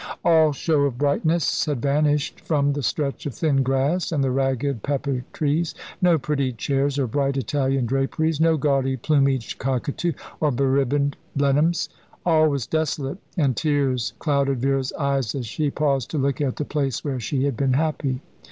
All show of brightness had vanished from the stretch of thin grass and the ragged pepper trees no pretty chairs or bright Italian draperies, no gaudy plumaged cockatoo, or be ribboned Blenheims. All was desolate, and tears clouded Vera's eyes, as she paused to look at the place where she had been happy.